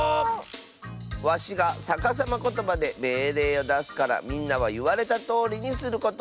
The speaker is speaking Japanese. わしがさかさまことばでめいれいをだすからみんなはいわれたとおりにすること！